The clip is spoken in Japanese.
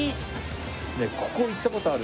ねえここ行った事ある？